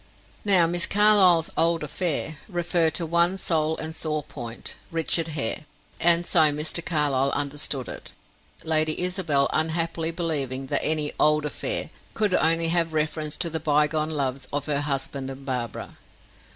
Now Miss Carlyle's "old affair" referred to one sole and sore point Richard Hare, and so Mr. Carlyle understood it. Lady Isabel unhappily believing that any "old affair" could only have reference to the bygone loves of her husband and Barbara.